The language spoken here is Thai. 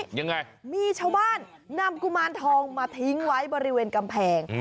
ยังไงมีชาวบ้านนำกุมารทองมาทิ้งไว้บริเวณกำแพง